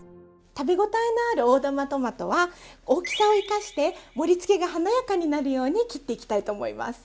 食べごたえのある大玉トマトは大きさを生かして盛りつけが華やかになるように切っていきたいと思います。